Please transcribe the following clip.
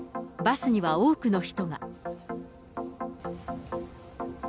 バスには多くの人が。